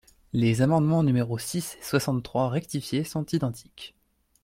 Les amendements numéros six et soixante-trois rectifié sont identiques.